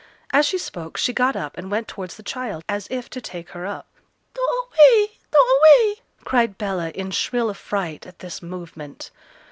As she spoke, she got up and went towards the child, as if to take her up. 'Do away! do away!' cried Bella, in shrill affright at this movement.